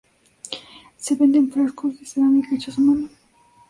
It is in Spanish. Se vende en frascos de cerámica hechos a mano.